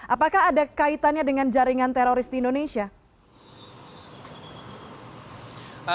apakah ada kaitannya dengan jaringan teroris di indonesia